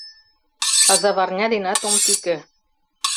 Казаварня денат ом тӱкӧ.